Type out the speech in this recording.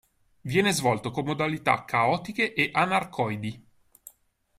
Viene svolto con modalità caotiche e anarcoidi.